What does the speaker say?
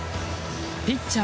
ピッチャー